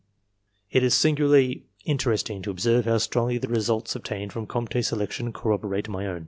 It is singularly interesting to observe how strongly the results obtained from Comte's selection corroborate my own.